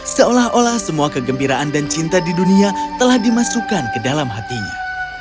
seolah olah semua kegembiraan dan cinta di dunia telah dimasukkan ke dalam hatinya